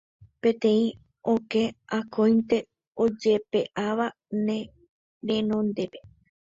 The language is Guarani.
Peteĩ okẽ akóinte ojepe'áva ne renondépe